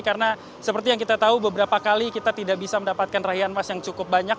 karena seperti yang kita tahu beberapa kali kita tidak bisa mendapatkan raihan emas yang cukup banyak